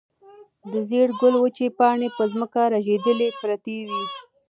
د زېړ ګل وچې پاڼې په ځمکه رژېدلې پرتې وې.